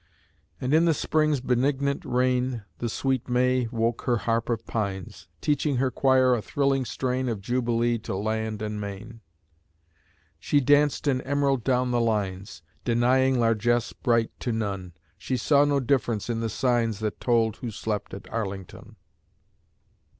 And in the Spring's benignant reign, The sweet May woke her harp of pines; Teaching her choir a thrilling strain Of jubilee to land and main. She danced in emerald down the lines; Denying largesse bright to none, She saw no difference in the signs That told who slept at Arlington.